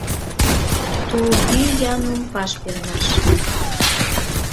Тулгӱй яну ваш пернаш